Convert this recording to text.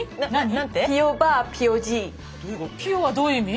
「ピヨ」はどういう意味？